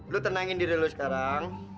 lo tenangin diri lo sekarang